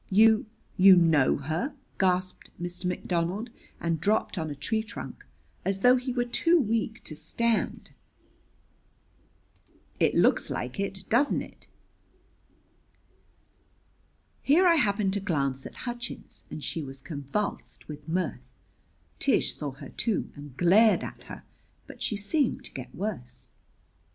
"You you know her?" gasped Mr. McDonald, and dropped on a tree trunk, as though he were too weak to stand. "It looks like it, doesn't it?" Here I happened to glance at Hutchins, and she was convulsed with mirth! Tish saw her, too, and glared at her; but she seemed to get worse.